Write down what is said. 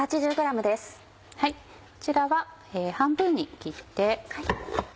こちらは半分に切って。